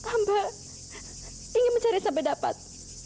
sampai ingin mencari sampai dapat